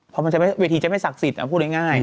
พอมันจะเวทีจะไม่ศักดิ์สิทธิ์พูดง่าย